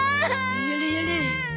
やれやれ。